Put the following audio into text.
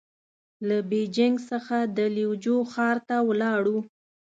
له بېجينګ څخه د ليوجو ښار ته ولاړو.